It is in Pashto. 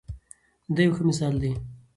دی یو ښه مثال دی.